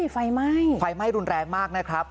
ไฟไหม้ไฟไหม้รุนแรงมากนะครับ